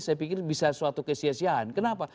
saya pikir bisa suatu kesiasiaan kenapa